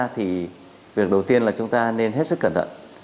thì việc đầu tiên là chúng ta nên hết sức cẩn thận